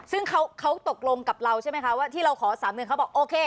ซึ่งเขาตกลงกับเราใช่ไหมคะว่าที่เราขอ๓เดือนเขาบอกโอเค